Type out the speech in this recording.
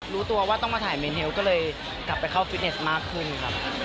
รู้ตัวว่าต้องมาถ่ายเมนเทลก็เลยกลับไปเข้าฟิตเนสมากขึ้นครับ